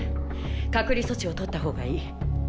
隔離措置をとった方がいい。